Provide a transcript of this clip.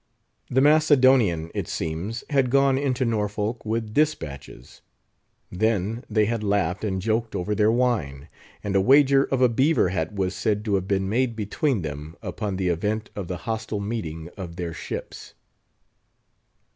The Macedonian, it seems, had gone into Norfolk with dispatches. Then they had laughed and joked over their wine, and a wager of a beaver hat was said to have been made between them upon the event of the hostile meeting of their ships.